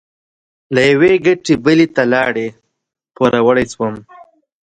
له یوې ګټې بلې ته لاړې؛ پوروړی شوم.